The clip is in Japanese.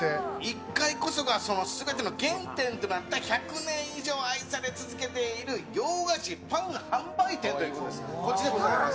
１階こそが全ての原点となった１００年以上愛され続けている洋菓子・パン販売店でございます。